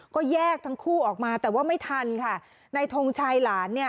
ก็แยกทั้งคู่ออกมาแต่ว่าไม่ทันค่ะในทงชัยหลานเนี่ย